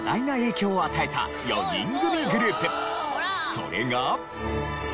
それが。